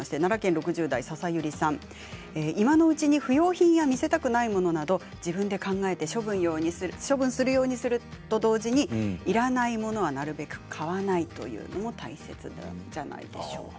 ６０代の方今のうちに不要品や見せたくないものなど自分で考えて処分するようにすると同時にいらないものはなるべく買わないということも大切じゃないでしょうか。